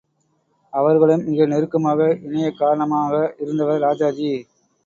அவர்களும் மிக நெருக்கமாக இணையக் காரணமாக இருந்தவர் ராஜாஜி.